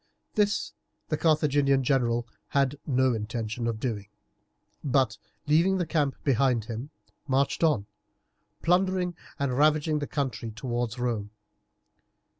This the Carthaginian general had no intention of doing, but, leaving the camp behind him, marched on, plundering and ravaging the country towards Rome.